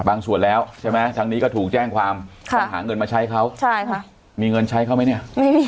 แล้วใช่ไหมทางนี้ก็ถูกแจ้งความต้องหาเงินมาใช้เขาใช่ค่ะมีเงินใช้เขาไหมเนี่ย